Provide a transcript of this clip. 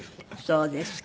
そうですか。